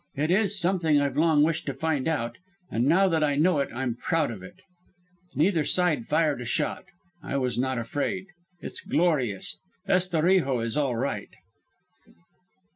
It is something I've long wished to find out, and now that I know it I am proud of it. Neither side fired a shot. I was not afraid. It's glorious. Estorijo is all right.